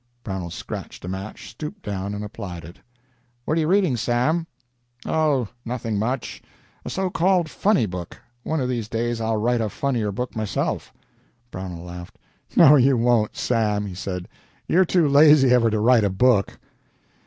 Brownell scratched a match, stooped down, and applied it. "What are you reading, Sam?" "Oh, nothing much a so called funny book. One of these days I'll write a funnier book myself." Brownell laughed. "No, you won't, Sam," he said. "You're too lazy ever to write a book."